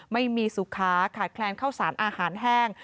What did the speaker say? ไม่มีสุขาขาดแคลนเข้าสารอาหารแห้ง